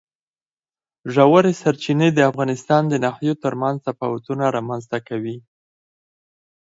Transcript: ژورې سرچینې د افغانستان د ناحیو ترمنځ تفاوتونه رامنځ ته کوي.